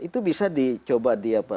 itu bisa dicoba